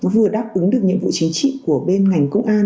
vừa đáp ứng được nhiệm vụ chính trị của bên ngành công an